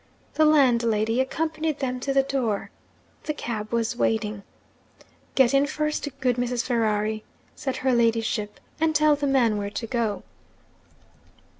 The landlady accompanied them to the door. The cab was waiting. 'Get in first, good Mrs. Ferrari,' said her ladyship; 'and tell the man where to go.'